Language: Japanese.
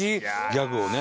ギャグをね。